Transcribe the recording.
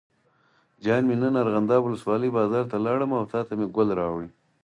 جان مې نن ارغنداب ولسوالۍ بازار ته لاړم او تاته مې ګل راوړل.